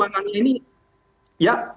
jadi kita harus mendorong itu